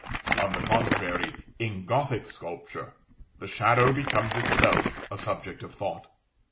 On the contrary, in Gothic sculpture, the shadow becomes itself a subject of thought.